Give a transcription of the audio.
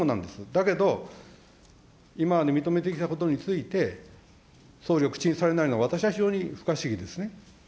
だけど、今まで認めてきたことについて、総理が口にされないのは私は非常に不可思議ですね。